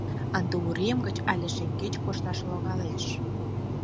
Ынде урем гыч але шеҥгеч кошташ логалеш.